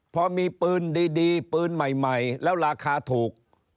พอมีปืนดีปืนใหม่แล้วราคาถูก